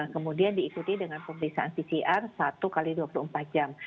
kemudian diikuti dengan pemeriksaan pcr satu x dua puluh empat jam